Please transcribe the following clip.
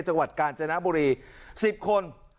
จังหวัดกาญจนบุรี๑๐คน